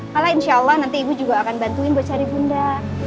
malah insya allah nanti ibu juga akan bantuin buat cari bunda